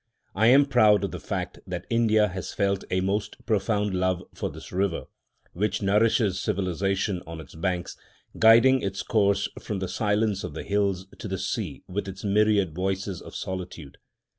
I am proud of the fact that India has felt a most profound love for this river, which nourishes civilisation on its banks, guiding its course from the silence of the hills to the sea with its myriad voices of solitude.